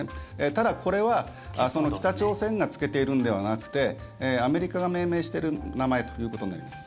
ただ、これは北朝鮮がつけているのではなくてアメリカが命名している名前ということになります。